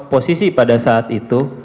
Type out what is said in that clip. posisi pada saat itu